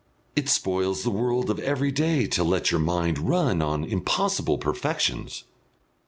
"It spoils the world of everyday to let your mind run on impossible perfections."